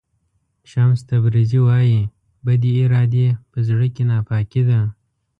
شمس تبریزي وایي بدې ارادې په زړه کې ناپاکي ده.